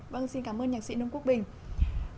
vâng xin cảm ơn nhạc sĩ nông quốc bình